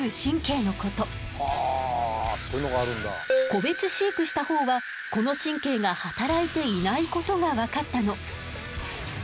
個別飼育したほうはこの神経が働いていないことが分かったの。